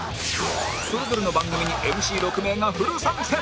それぞれの番組に ＭＣ６ 名がフル参戦！